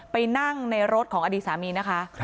ไปนั่งในรถของอดีตสามีนะคะ